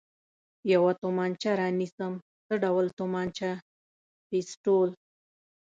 یوه تومانچه را نیسم، څه ډول تومانچه؟ پېسټول.